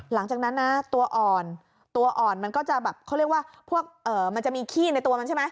หลังจากนั้นนะตัวอ่อนตัวอ่อนมันก็จะแบบเขาเรียกว่าพวกมันจะมีขี้ในตัวมันใช่ไหม